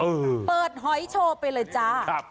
เปิดหอยโชว์ไปเลยจ้าครับ